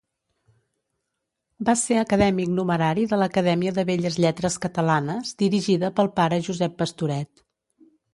Va ser acadèmic numerari de l'Acadèmia de Belles Lletres Catalanes dirigida pel pare Josep Pastoret.